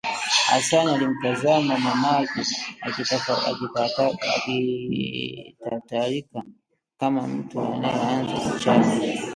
Hassan alimtazama mamake akitatarika kama mtu anayeanza kichaa